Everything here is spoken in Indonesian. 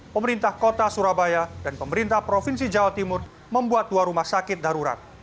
pemerintah kota surabaya dan pemerintah provinsi jawa timur membuat dua rumah sakit darurat